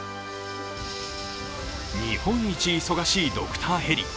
日本一忙しいドクターヘリ。